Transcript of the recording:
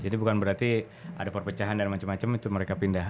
jadi bukan berarti ada perpecahan dan macam macam itu mereka pindah